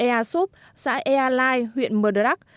xã ea súp xã ea lai huyện mờ đà rắc